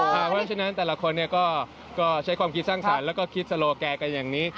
เพราะฉะนั้นแต่ละคนก็ใช้ความคิดสร้างสรรค์แล้วก็คิดสโลแกกันอย่างนี้